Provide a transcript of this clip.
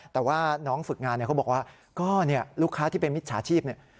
แต่ว่าน้องฝึกงานเขาบอกว่าก็ลูกค้าที่เป็นมิจฉาชีพ